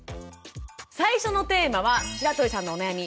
最初のテーマは白鳥さんのお悩み